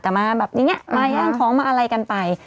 แต่มาแห้งของมาอะไรกันไป